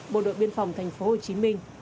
bộ đội biên phòng thành phố hồ chí minh